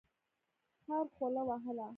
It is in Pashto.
خر خوله وهله.